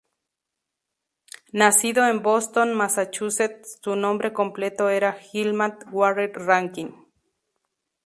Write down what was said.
Nacido en Boston, Massachusetts, su nombre completo era "Gilman Warren Rankin"'.